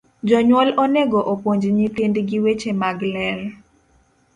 Jonyuol onego opuonj nyithind gi weche mag ler